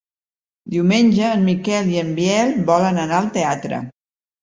Diumenge en Miquel i en Biel volen anar al teatre.